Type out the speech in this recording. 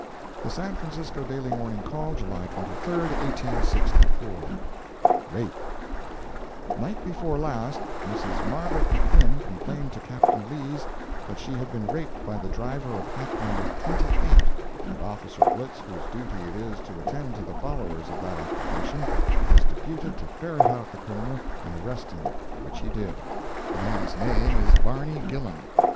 The San Francisco Daily Morning Call, July 23, 1864 RAPE Night before last, Miss Margaret McQuinn complained to Captain Lees that she had been raped by the driver of hack No. 28, and officer Blitz, whose duty it is to attend to the followers of that occupation, was deputed to ferret out the criminal and arrest him, which he did. The man's name is Barney Gillan.